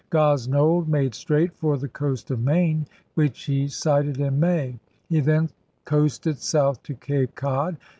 Gosnold made straight for the coast of Maine, which he sighted in May. He then coasted south to Cape Cod.